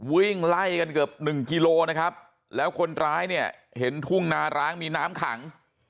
วิ่งไล่กันเกือบหนึ่งกิโลนะครับแล้วคนร้ายเนี่ยเห็นทุ่งนาร้างมีน้ำขัง